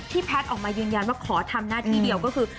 แพทย์ออกมายืนยันว่าขอทำหน้าที่เดียวก็คือ